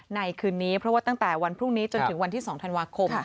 คืนนี้เพราะว่าตั้งแต่วันพรุ่งนี้จนถึงวันที่๒ธันวาคม